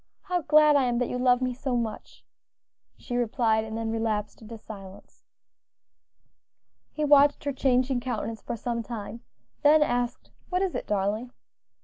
how glad I am that you love me so much!" she replied; and then relapsed into silence. He watched her changing countenance for some time, then asked, "What is it, darling?"